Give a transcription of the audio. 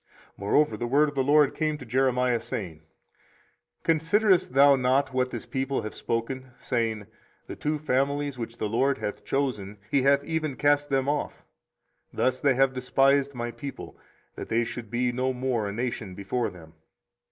24:033:023 Moreover the word of the LORD came to Jeremiah, saying, 24:033:024 Considerest thou not what this people have spoken, saying, The two families which the LORD hath chosen, he hath even cast them off? thus they have despised my people, that they should be no more a nation before them.